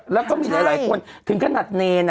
แล้วก็มีหลายคนถึงขนาดเนร